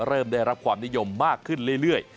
เริ่มได้รับความนิยมมากขึ้นเรื่อย